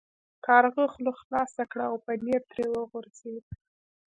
کارغه خوله خلاصه کړه او پنیر ترې وغورځید.